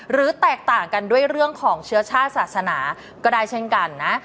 แตกต่างกันด้วยเรื่องของเชื้อชาติศาสนาก็ได้เช่นกันนะ